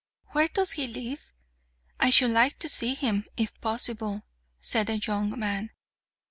"Where does he live? I should like to see him, if possible," said the young man.